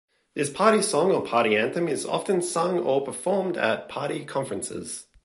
This party song or party anthem is often sung or performed at party conferences.